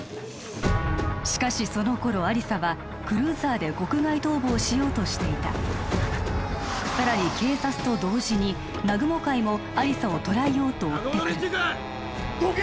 しかしその頃亜理紗はクルーザーで国外逃亡しようとしていたさらに警察と同時に南雲会も亜理紗を捕らえようと追ってくるどけ！